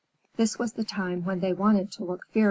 This was the time when they wanted to look fierce.